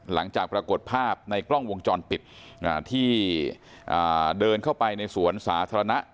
หลังจากปรากฏภาพในกล้องวงจรปิดที่เดินเข้าไปในสวนสาธารณะ